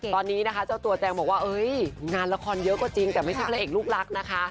ตอนนี้นะคะเจ้าตัวแจงบอกว่างานละครเยอะก็จริงแต่ไม่ใช่พระเอกลูกรักนะคะ